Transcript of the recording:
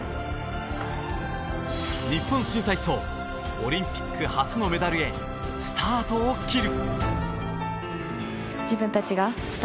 日本新体操オリンピック初のメダルへスタートを切る。